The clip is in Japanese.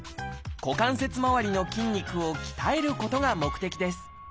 股関節周りの筋肉を鍛えることが目的です